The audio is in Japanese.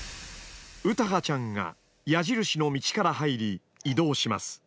詩羽ちゃんが矢印の道から入り移動します。